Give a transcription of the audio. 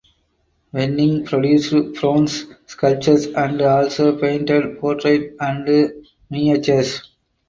Venning produced bronze sculptures and also painted portraits and miniatures.